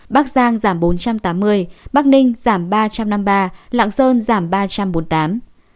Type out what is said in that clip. bắc giang giảm bốn trăm tám mươi bắc ninh giảm ba trăm năm mươi ba lạng sơn giảm bốn trăm tám mươi